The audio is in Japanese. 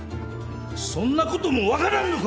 そんなことも分からんのか！